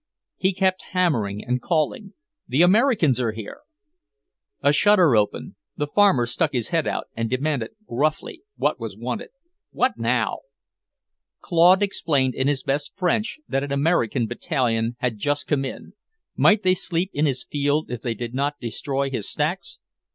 He kept hammering and calling, "The Americans are here!" A shutter opened. The farmer stuck his head out and demanded gruffly what was wanted; "What now?" Claude explained in his best French that an American battalion had just come in; might they sleep in his field if they did not destroy his stacks?